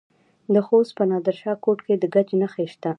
د خوست په نادر شاه کوټ کې د ګچ نښې شته.